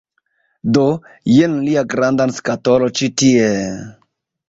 Do, jen lia grandan skatolo ĉi tie...